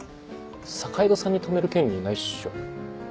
坂井戸さんに止める権利ないっしょ。